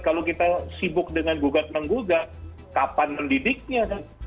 kalau kita sibuk dengan gugat menggugat kapan mendidiknya